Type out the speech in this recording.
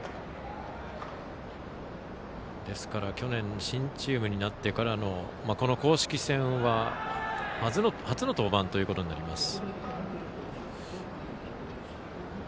ですから去年、新チームになってからの公式戦は初の登板となります。